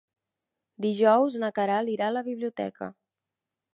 Dijous na Queralt irà a la biblioteca.